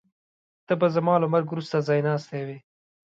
ته به زما له مرګ وروسته ځایناستی وې.